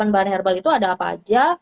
bahan herbal itu ada apa aja